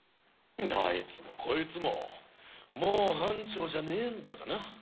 どいつもこいつももう班長じゃねえんだがな。